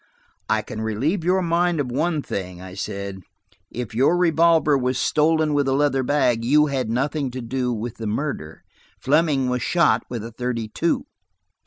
"I can relieve your mind of one thing," I said. "If your revolver was stolen with the leather bag, you had nothing to do with the murder. Fleming was shot with a thirty two."